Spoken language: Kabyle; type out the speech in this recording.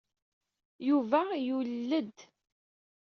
Yuba yulel-d.